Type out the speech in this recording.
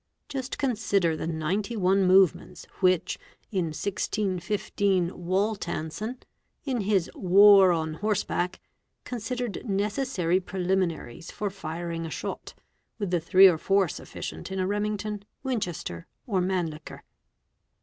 Just consider the ninety one : movements which in 1615 Walltansen, in his '"' War on Horseback," con : sidered necessary preliminaries for firing a shot, with the three or four ; sufficient in a Remington, Winchester, or Mannlicher.